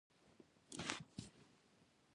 اه ریښتیا هم زه هغو ته دا کله ویلای شم.